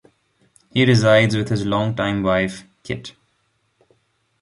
He resides with his long-time wife, Kit.